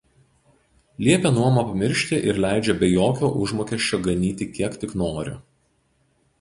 Liepia nuomą pamiršti ir leidžia be jokio užmokesčio ganyti kiek tik noriu